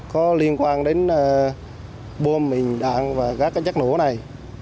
có liên quan đến bom mìn đạn và các chất nổ này